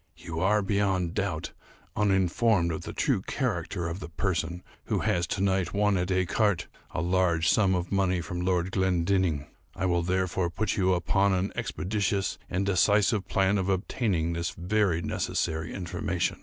You are, beyond doubt, uninformed of the true character of the person who has to night won at écarté a large sum of money from Lord Glendinning. I will therefore put you upon an expeditious and decisive plan of obtaining this very necessary information.